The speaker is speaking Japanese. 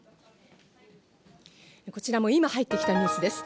こちらも今、入ってきたニュースです。